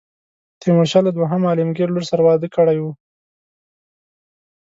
تیمورشاه له دوهم عالمګیر لور سره واده کړی وو.